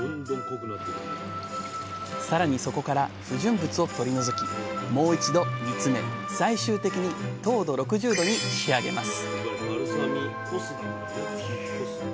更にそこから不純物を取り除きもう一度煮詰め最終的に糖度６０度に仕上げます